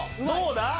どうだ！？